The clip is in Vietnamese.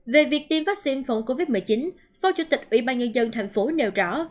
về việc tiêm vaccine phòng covid một mươi chín phó chủ tịch ubnd thành phố nêu rõ